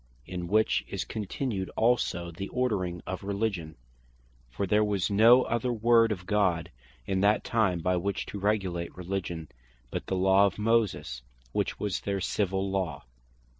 In which is contained also the ordering of Religion; for there was no other Word of God in that time, by which to regulate Religion, but the Law of Moses, which was their Civill Law.